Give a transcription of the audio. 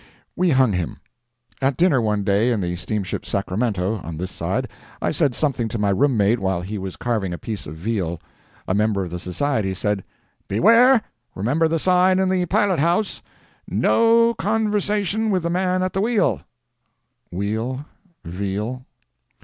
We hung him. At dinner, one day, in the steamship "Sacramento" on this side, I said something to my roommate while he was carving a piece of veal. A member of the Society said, "Beware—remember the sign in the pilot house: "No conversation with the man at the wheel" (weal veal.)